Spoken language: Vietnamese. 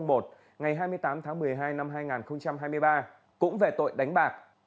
ngày hai mươi tám tháng một mươi hai năm hai nghìn hai mươi ba cũng về tội đánh bạc